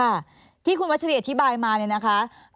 ค่ะที่คุณวัชรีอธิบายมาเนี่ยนะคะ